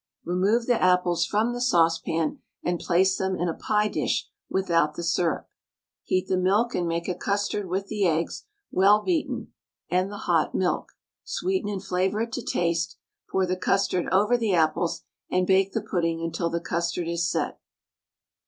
Remove the apples from the saucepan and place them in a pie dish without the syrup. Heat the milk and make a custard with the eggs, well beaten, and the hot milk; sweeten and flavour it to taste, pour the custard over the apples, and bake the pudding until the custard is set.